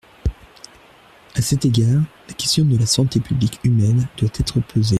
À cet égard, la question de la santé publique humaine doit être posée.